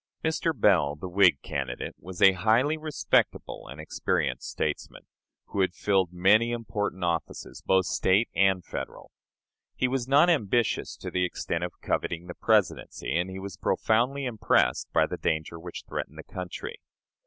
Mr. Bell, the Whig candidate, was a highly respectable and experienced statesman, who had filled many important offices, both State and Federal. He was not ambitious to the extent of coveting the Presidency, and he was profoundly impressed by the danger which threatened the country.